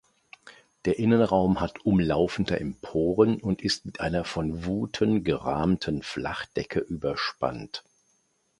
Der Innenraum hat umlaufende Emporen und ist mit einer von Vouten gerahmten Flachdecke überspannt.